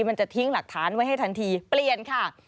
มันจะทิ้งหลักฐานไว้ให้ทันทีเปลี่ยนค่ะ